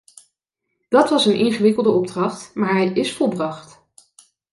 Dat was een ingewikkelde opdracht, maar hij is volbracht.